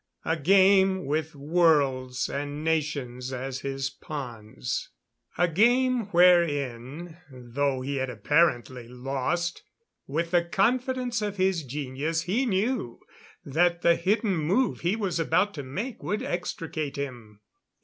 A game, with worlds and nations as his pawns a game wherein, though he had apparently lost, with the confidence of his genius he knew that the hidden move he was about to make would extricate him.